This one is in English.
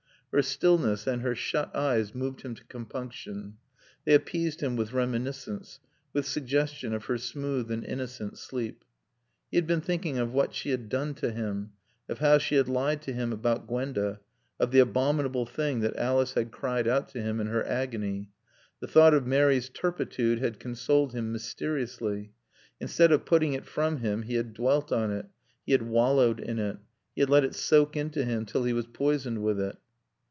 Her stillness and her shut eyes moved him to compunction. They appeased him with reminiscence, with suggestion of her smooth and innocent sleep. He had been thinking of what she had done to him; of how she had lied to him about Gwenda; of the abominable thing that Alice had cried out to him in her agony. The thought of Mary's turpitude had consoled him mysteriously. Instead of putting it from him he had dwelt on it, he had wallowed in it; he had let it soak into him till he was poisoned with it.